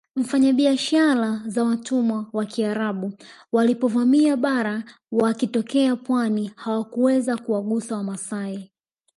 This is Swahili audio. Wafanyabiashara za watumwa wa Kiarabu walipovamia bara wakitokea pwani hawakuweza kuwagusa wamasai